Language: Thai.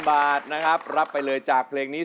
๔๐๐๐๐บาทรับไปเลยจากเพลงนี้